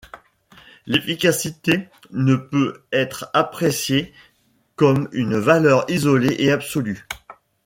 L'efficacité ne peut être appréciée comme une valeur isolée et absolue.